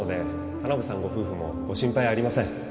田辺さんご夫婦もご心配ありません